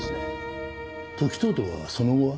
時任とはその後は？